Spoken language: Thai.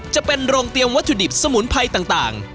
จะเป็นโรงเตรียมวัตถุดิบสมุนไพรต่าง